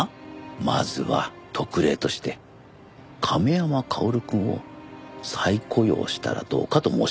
「まずは特例として亀山薫くんを再雇用したらどうか」と申し上げた。